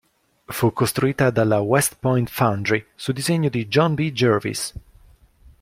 Fu costruita dalla West Point Foundry su disegno di John B. Jervis.